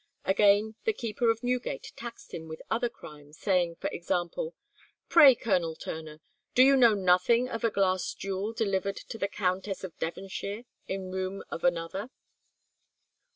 Again the keeper of Newgate taxed him with other crimes, saying, for example, "Pray, Colonel Turner, do you know nothing of a glass jewel delivered to the Countess of Devonshire in room of another?"